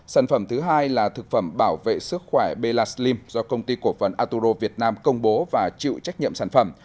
sản phẩm thứ hai là thực phẩm bảo vệ sức khỏe belaslim do công ty cổ phần aturo việt nam công bố và chịu trách nhiệm sản phẩm